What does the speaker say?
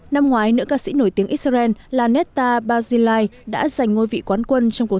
năm ngoái nữ ca sĩ nổi tiếng israel lanetta barzilai đã giành ngôi vị quán quân trong cuộc